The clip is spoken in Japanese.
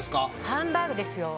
ハンバーグですよ。